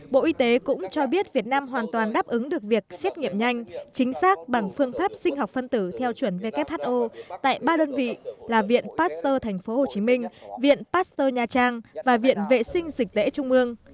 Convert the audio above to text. bộ y tế cũng cho biết việt nam hoàn toàn đáp ứng được việc xét nghiệm nhanh chính xác bằng phương pháp sinh học phân tử theo chuẩn who tại ba đơn vị là viện pasteur tp hcm viện pasteur nha trang và viện vệ sinh dịch tễ trung ương